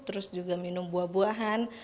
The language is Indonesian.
terus juga minum buah buahan